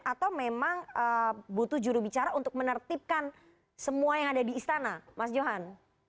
atau memang butuh jurubicara untuk menertibkan semua yang ada di istana mas johan